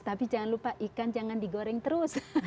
tapi jangan lupa ikan jangan digoreng terus